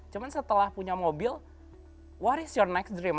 cuma setelah punya mobil what is your next dream